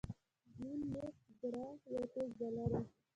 گلين میک ګرا یو تېز بالر وو.